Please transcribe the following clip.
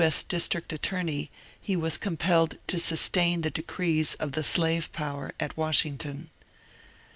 S. district at torney he was compelled to sustain the decrees of the slave power at Washington.